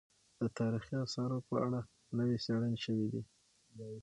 د تاريخي اثارو په اړه نوې څېړنې شوې دي.